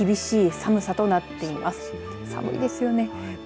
寒いですよね。